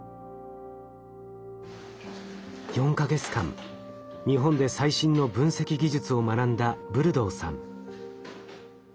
４か月間日本で最新の分析技術を学んだブルドーさん。